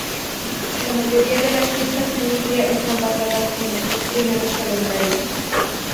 La mayoría de las fiestas en India están basadas en los dos primeros calendarios.